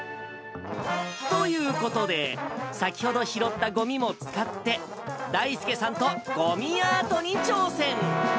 ということで、先ほど拾ったごみも使って、だいすけさんとごみアートに挑戦。